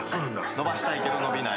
伸ばしたいけど伸びない。